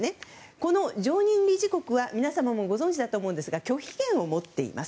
この常任理事国は皆さんもご存じだと思いますが拒否権を持っています。